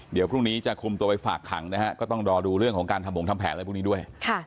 เดี๋ยวพรุ่งนี้จะคุมตัวไปฝากขังนะฮะก็ต้องรอดูเรื่องของการทำผงทำแผนอะไรพวกนี้ด้วย